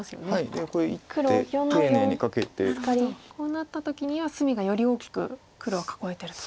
こうなった時には隅がより大きく黒は囲えてると。